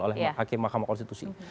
oleh hakim mahkamah konstitusi